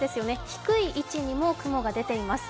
低い位置にも雲が出ています。